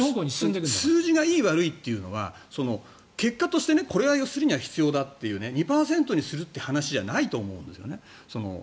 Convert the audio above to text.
でも、数字がいい、悪いというのは結果としてこれをするには必要だって２％にするという話じゃないと思うんです。